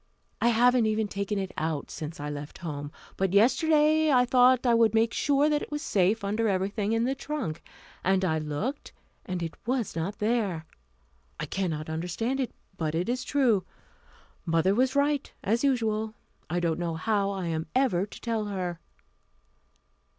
I haven't even taken it out since I left home. But yesterday I thought I would make sure that it was safe under everything in the trunk. And I looked, and it was not there. I cannot understand it, but it is true. Mother was right, as usual. I don't know how I am ever to tell her."